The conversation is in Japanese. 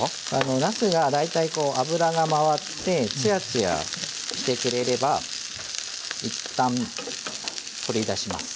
なすが大体こう油が回ってツヤツヤしてくれればいったん取り出します。